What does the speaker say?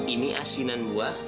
ini asinan buah